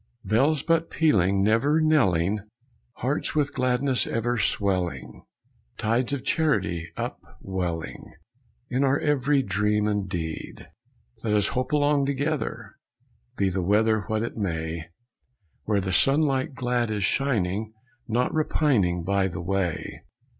Bells but pealing, never knelling, Hearts with gladness ever swelling. Tides of charity up welling In our every dream and deed. Let us hope along together, Be the weather What it may, Where the sunlight glad is shining, Not repining By the way.